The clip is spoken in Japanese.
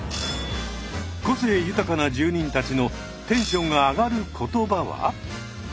個性豊かな住人たちのテンションが上がる言葉は？